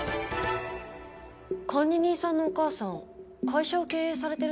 管理人さんのお母さん会社を経営されてるんですか？